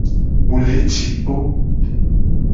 Mu le ci kpo.